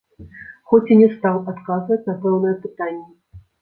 Хоць і не стаў адказваць на пэўныя пытанні.